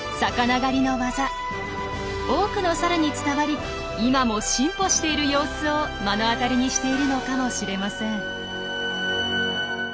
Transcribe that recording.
多くのサルに伝わり今も進歩している様子を目の当たりにしているのかもしれません。